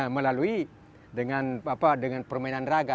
melalui dengan permainan raga